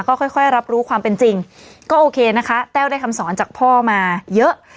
ก็ค่อยค่อยรับรู้ความเป็นจริงก็โอเคนะคะแต้วได้คำสอนจากพ่อมาเยอะ